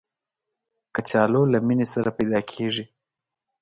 کچالو له مینې سره پیدا کېږي